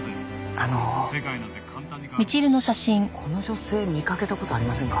あのこの女性見かけた事ありませんか？